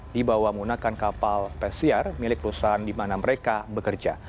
dibawa menggunakan kapal pesiar milik perusahaan di mana mereka bekerja